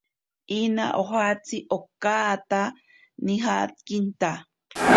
Inaa ojatsi okaata nijakinta.